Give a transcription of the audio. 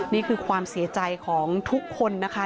นี่คือความเสียใจของทุกคนนะคะ